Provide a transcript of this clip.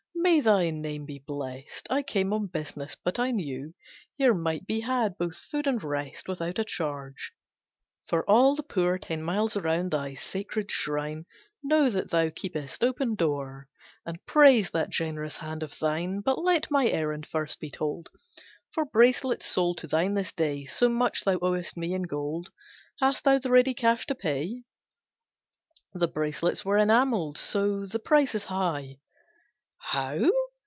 May thy name be blest! I came on business, but I knew, Here might be had both food and rest Without a charge; for all the poor Ten miles around thy sacred shrine Know that thou keepest open door, And praise that generous hand of thine: But let my errand first be told, For bracelets sold to thine this day, So much thou owest me in gold, Hast thou the ready cash to pay? "The bracelets were enamelled, so The price is high." "How!